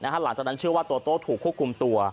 หลังจากนั้นเชื่อว่าโตโต้ถูกควบคุมตัว